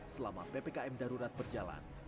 selama ppkm darurat berjalan